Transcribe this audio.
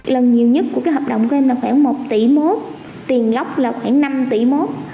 lần nhiều nhất của hợp đồng của em là khoảng một tỷ mốt tiền lóc là khoảng năm tỷ mốt